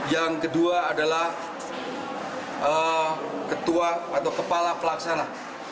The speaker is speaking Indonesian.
yang kedua adalah kepala pelaksana